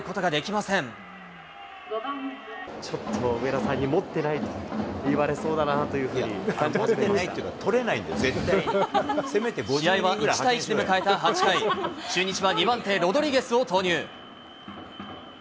ちょっと、上田さんに持ってないと言われそうだなというふうに感じ始めまし試合は１対１で迎えた８回、中日は２番手、ロドリゲスを投入。